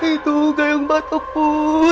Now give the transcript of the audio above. itu gayung batuk put